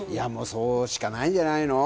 そうしかないんじゃないの？